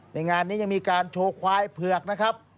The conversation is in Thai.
ในงานนี้ยังมีการโชว์ควายเผือกนะครับ